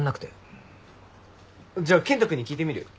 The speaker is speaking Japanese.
じゃあ健人君に聞いてみるよ。